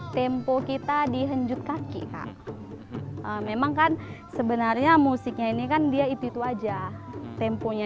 tempo kita dihenjuk kaki kak memang kan sebenarnya musiknya ini kan dia itu itu aja temponya